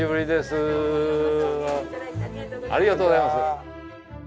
ありがとうございます。